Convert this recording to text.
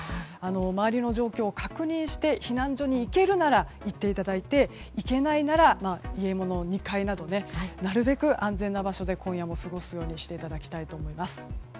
周りの状況を確認して避難所に行けるなら行っていただいていけないなら家の２階などなるべく安全な場所で今夜も過ごすようにしていただければと思います。